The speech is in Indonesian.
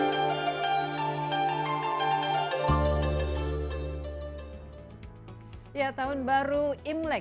tahun baru imlek identik dengan kehidupan baru dan tujuan baru serta target target yang berharga